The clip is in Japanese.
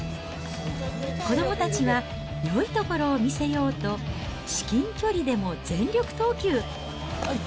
子どもたちはよいところを見せようと、至近距離でも全力投球。